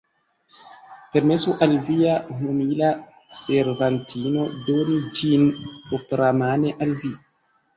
Permesu al via humila servantino doni ĝin propramane al vi.